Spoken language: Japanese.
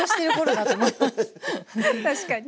確かに。